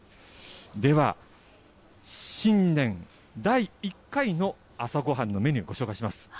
では、新年、第１回の朝ごはんのメニュー、ご紹介します。